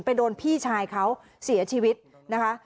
โดนพี่ชายเขาเสียชีวิตนะคะ